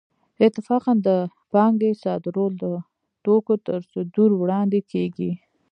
اتفاقاً د پانګې صادرول د توکو تر صدور وړاندې کېږي